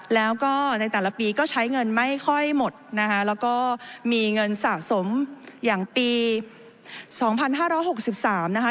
แล้วก็ในแต่ละปีก็ใช้เงินไม่ค่อยหมดนะคะแล้วก็มีเงินสะสมอย่างปีสองพันห้าร้อยหกสิบสามนะคะ